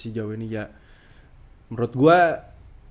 menurut gue pj ya konten salah satu konten yang paling bisa diikuti di indonesia ya